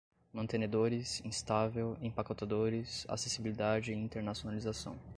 mantenedores, instável, empacotadores, acessibilidade e internacionalização